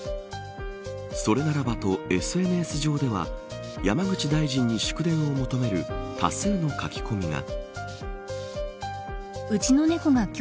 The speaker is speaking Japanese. それならばと、ＳＮＳ上では山口大臣に祝電を求める多数の書き込みが。